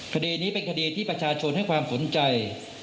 คดีนี้เป็นคดีที่ประชาชนให้ความสนใจ